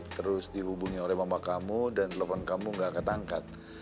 terus dihubungi oleh mama kamu dan telepon kamu enggak diangkat angkat